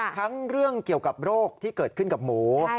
ทั้งเรื่องเกี่ยวกับโรคที่เกิดขึ้นกับหมู